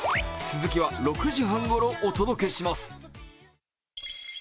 続きは６時半ごろお届けします。